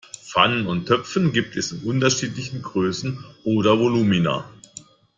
Pfannen und Töpfe gibt es in unterschiedlichen Größen oder Volumina.